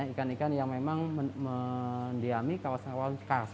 ikan ikan yang memang mendiami kawasan awal karat